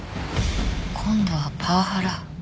今度はパワハラ。